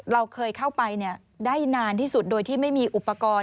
เราเคยเข้าไปได้นานที่สุดโดยที่ไม่มีอุปกรณ์